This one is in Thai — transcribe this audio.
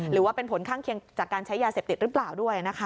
หรือว่าเป็นผลข้างเคียงจากการใช้ยาเสพติดหรือเปล่าด้วยนะคะ